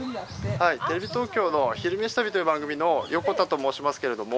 はいテレビ東京の「昼めし旅」という番組の横田と申しますけれども。